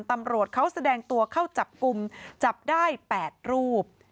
ตำรวจเขาแสดงตัวเข้าจับกลุ่มจับได้๘รูป